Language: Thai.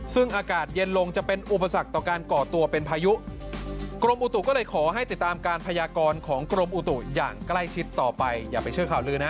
ซึ่งอากาศเย็นลงจะเป็นอุปสรรคต่อการก่อตัวเป็นพายุกรมอุตุก็เลยขอให้ติดตามการพยากรของกรมอุตุอย่างใกล้ชิดต่อไปอย่าไปเชื่อข่าวลือนะ